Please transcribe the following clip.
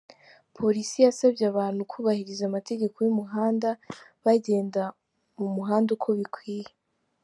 Polisi yasabye abantu kubahiriza amategeko y’umuhanda bagenda mu muhanda uko bikwiye.